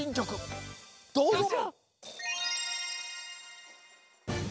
どうぞ。